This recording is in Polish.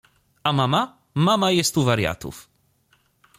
— A mama? — Mama jest u wariatów.